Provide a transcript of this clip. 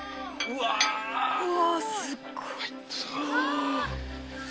うわすっごい。